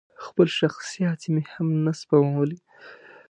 خپلې شخصي هڅې مې هم نه سپمولې.